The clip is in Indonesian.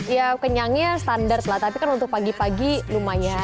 ya kenyangnya standar lah tapi kan untuk pagi pagi lumayan